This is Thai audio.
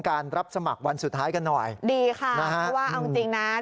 รับสมัครวันสุดท้ายกันหน่อยดีค่ะนะฮะเพราะว่าเอาจริงจริงนะ